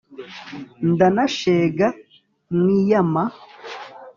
ndanashega mwiyama